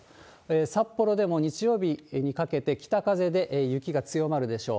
札幌でも日曜日にかけて、北風で雪が強まるでしょう。